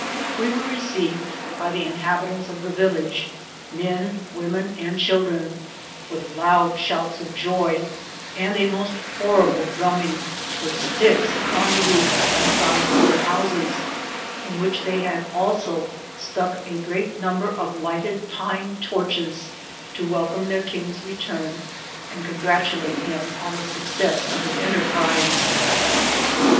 We were received by the inhabitants of the village, men, women, and children, with loud shouts of joy, and a most horrible drumming with sticks upon thej roofs and sides of their houses, D 3 34 in which they had also stuck a great number of lighted pine torches, to welcome their king's re turn, and congratulate him on the success of his enterprize.